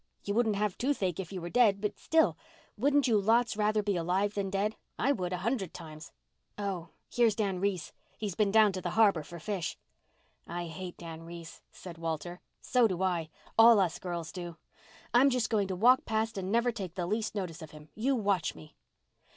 You wouldn't have toothache if you were dead, but still, wouldn't you lots rather be alive than dead? I would, a hundred times. Oh, here's Dan Reese. He's been down to the harbour for fish." "I hate Dan Reese," said Walter. "So do I. All us girls do. I'm just going to walk past and never take the least notice of him. You watch me!"